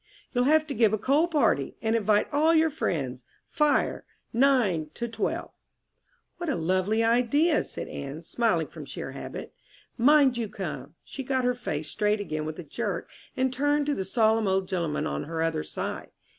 "You'll have to give a coal party, and invite all your friends. 'Fire, 9 12.'" "What a lovely idea!" said Anne, smiling from sheer habit. "Mind you come." She got her face straight again with a jerk and turned to the solemn old gentleman on her other side.